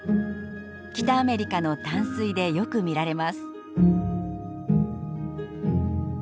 北アメリカの淡水でよく見られます。